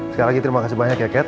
sekali lagi terima kasih banyak ya cat